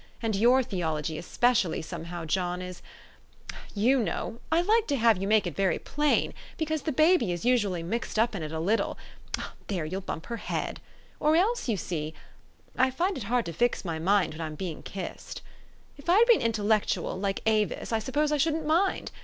And your theology especially, somehow, John,. is you know I like to have you make it very plain, because the baby is usually mixed up in it a little (there ! you'll bump her head !) or else, you see I find it hard to fix my mind when I'm being kissed. If I'd been intellectual, like Avis, I suppose I shouldn't mind.